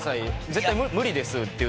絶対無理ですって。